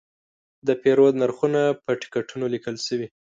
د پیرود نرخونه په ټکټونو لیکل شوي.